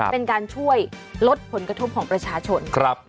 เป็นการช่วยลดผลกระทบของประชาชน